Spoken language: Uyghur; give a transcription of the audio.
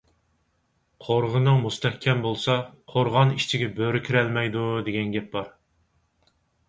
«قورغىنىڭ مۇستەھكەم بولسا، قورغان ئىچىگە بۆرە كىرەلمەيدۇ» دېگەن گەپ بار.